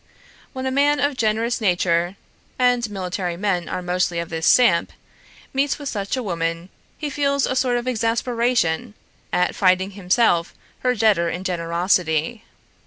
When a man of generous nature (and military men are mostly of this stamp) meets with such a woman, he feels a sort of exasperation at finding himself her debtor in generosity.